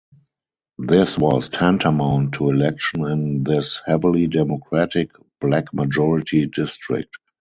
This was tantamount to election in this heavily Democratic, black-majority district.